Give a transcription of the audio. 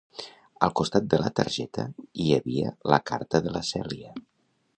Al costat de la targeta hi havia la carta de la Celia.